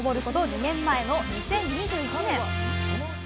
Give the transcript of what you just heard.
２年前の２０２１年。